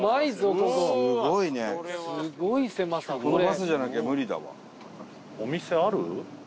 このバスじゃなきゃ無理だわ。